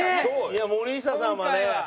いや森下さんはね。今回は。